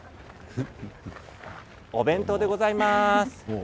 お弁当でございます。